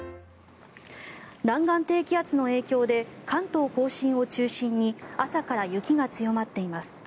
南岸低気圧の影響で関東・甲信を中心に朝から雪が強まっています。